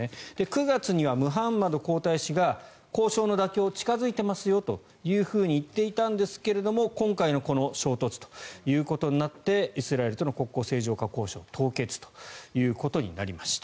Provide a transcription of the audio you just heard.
９月にはムハンマド皇太子が交渉の妥結は近付いていますよと言っていたんですが今回の衝突ということになってイスラエルとの国交正常化交渉は凍結ということになりました。